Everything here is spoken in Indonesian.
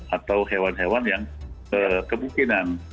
atau hewan hewan yang kemungkinan